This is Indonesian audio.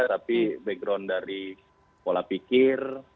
tapi background dari pola pikir